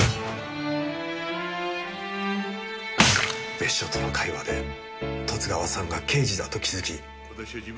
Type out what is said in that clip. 別所との会話で十津川さんが刑事だと気づき。